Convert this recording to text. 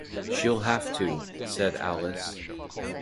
“She’ll have to,” said Alice.